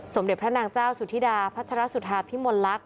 สมเด็จพระนางเจ้าสุธิดาพัชรสุธาพิมลลักษ